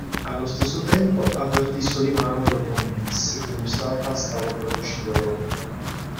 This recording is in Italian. Allo stesso tempo, avvertì Solimano e lo convinse che Mustafa stava per ucciderlo.